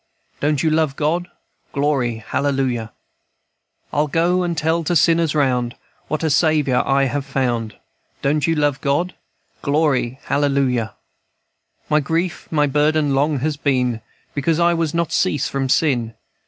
Don't you love God? Glory, hallelujah! "I'll go and tell to sinners round What a kind Saviour I have found. Don't you love God? Glory, hallelujah! "My grief my burden long has been, Because I was not cease from sin.